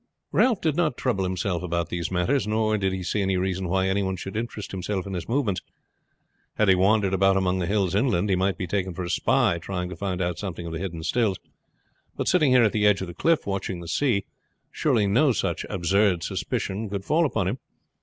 Ralph did not trouble himself about these matters, nor did he see any reason why any one should interest himself in his movements. Had he wandered about among the hills inland he might be taken for a spy trying to find out some of the hidden stills; but sitting here at the edge of the cliff watching the sea, surely no such absurd suspicion could fall upon him.